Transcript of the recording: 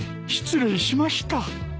失礼しました。